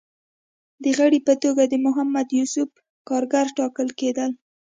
د غړي په توګه د محمد یوسف کارګر ټاکل کېدل